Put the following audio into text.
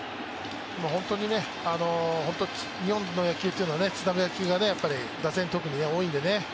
本当に日本の野球というのはつなぐ野球が特に打線、多いんでね。